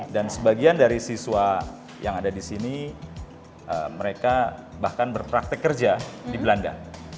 dan sebagian dari siswa yang ada disini mereka bahkan berpraktek kerja di belanda